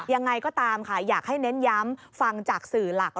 ยังไงก็ตามค่ะอยากให้เน้นย้ำฟังจากสื่อหลัก